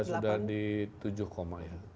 sudah di tujuh ya